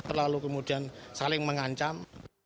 terlalu kemudian saling mengancam